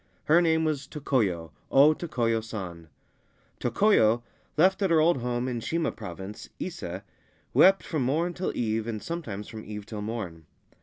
Her name was Tokoyo, O Tokoyo San. Tokoyo, left at her old home in Shima Province, Ise, wept from morn till eve, and sometimes from eve till morn.